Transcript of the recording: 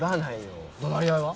怒鳴り合いは？